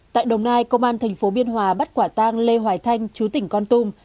tại đồng nai công an thành phố biên hòa bắt quả tàng lê hoài thanh chú tỉnh con tùng